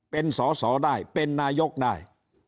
เป็นสอสอได้เป็นนายกได้